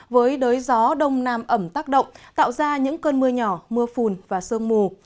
với đới gió đông nam ẩm tác động tạo ra những cơn mưa nhỏ mưa phùn và sương mù